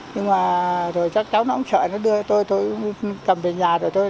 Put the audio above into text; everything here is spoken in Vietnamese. nhưng mà rồi chắc cháu nó không sợ nó đưa tôi tôi cầm về nhà rồi tôi